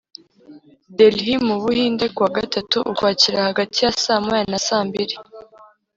Delhi mu Buhindi kuwa gatatu ukwakira hagati ya saa moya na saa mbiri